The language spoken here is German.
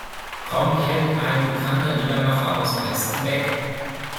Kommt irgendein bekannter Liedermacher aus Halstenbek?